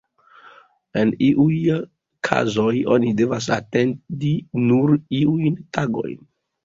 En iuj kazoj oni devas atendi nur iujn tagojn.